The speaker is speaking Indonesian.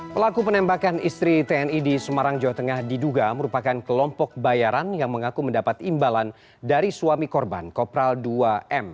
pelaku penembakan istri tni di semarang jawa tengah diduga merupakan kelompok bayaran yang mengaku mendapat imbalan dari suami korban kopral dua m